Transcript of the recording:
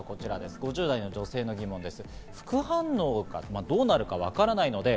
５０代女性の疑問です。